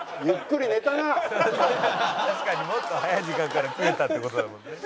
「確かにもっと早い時間から食えたって事だもんね」